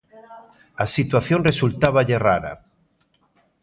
A situación resultáballe rara.